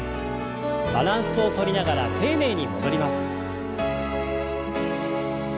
バランスをとりながら丁寧に戻ります。